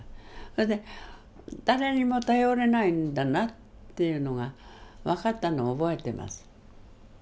それで誰にも頼れないんだなっていうのが分かったのを覚えてます。